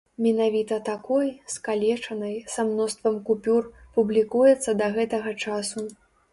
Менавіта такой, скалечанай, са мноствам купюр, публікуецца да гэтага часу.